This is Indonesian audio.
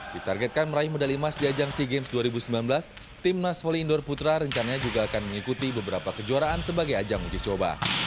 ditargetkan meraih medali emas di ajang sea games dua ribu sembilan belas tim nas volley indoor putra rencananya juga akan mengikuti beberapa kejuaraan sebagai ajang uji coba